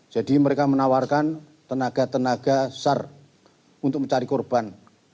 mereka menawarkan tenaga tenaga sar untuk mencari korban